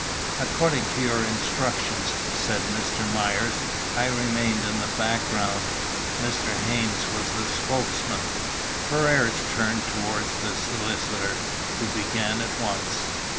"According to your instructions," said Mr. Myers, "I remained in the background. Mr. Haynes was the spokesman." Ferrars turned toward the solicitor, who began at once.